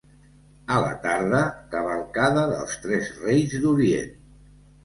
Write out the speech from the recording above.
A la tarda, cavalcada dels Tres Reis d'Orient.